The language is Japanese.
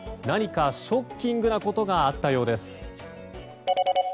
何かショッキングなことがあったようです。